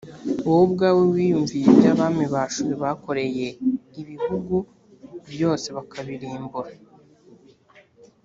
wowe ubwawe wiyumviye ibyo abami ba ashuri bakoreye ibihugu byose bakabirimbura